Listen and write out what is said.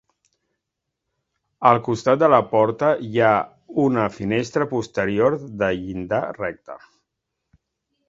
Al costat de la porta hi ha una finestra posterior de llinda recta.